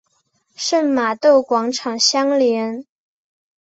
圣玛窦广场相连。